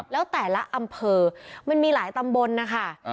แล้วแต่ละอำเภอมันมีหลายตำบลนะคะ